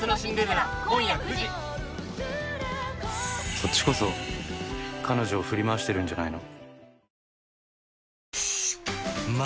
「そっちこそ彼女を振り回してるんじゃないの？」